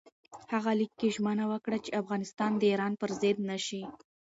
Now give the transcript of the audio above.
هغه لیک کې ژمنه وکړه چې افغانستان د ایران پر ضد نه شي.